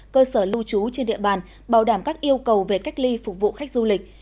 cơ sở lưu trú trên địa bàn bảo đảm các yêu cầu về cách ly phục vụ khách du lịch